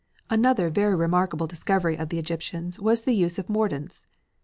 "Another very remarkable discovery of the Egyptians was the use of mordants.